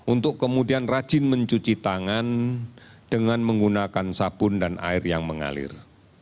untuk kemudian rajin mencuci tangan dengan menggunakan sabun dan air yang mengalir